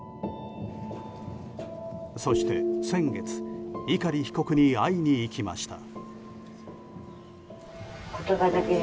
そして、先月碇被告に会いに行きました。